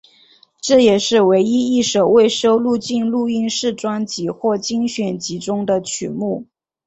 这也是唯一一首未收录进录音室专辑或精选集中的曲目。